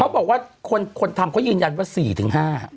เขาบอกว่าคนทำเขายืนยันว่าสี่ถึงห้า